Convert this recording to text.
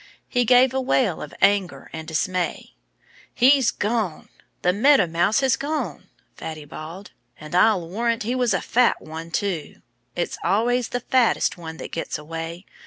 He gave a wail of anger and dismay. "He's gone! The Meadow Mouse has gone!" Fatty bawled. "And I'll warrant he was a fat one, too. It's always the fattest ones that get away.